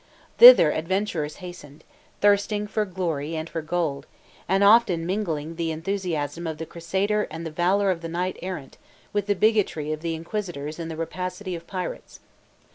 Thither adventurers hastened, thirsting for glory and for gold, and often mingling the enthusiasm of the crusader and the valor of the knight errant with the bigotry of inquisitors and the rapacity of pirates.